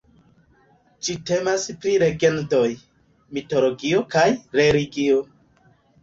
Ĝi temas pri legendoj, mitologio kaj religio.